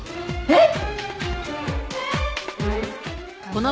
えっ？